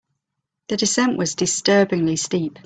The descent was disturbingly steep.